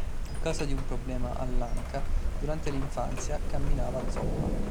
A causa di un problema all'anca, durante l'infanzia camminava zoppa.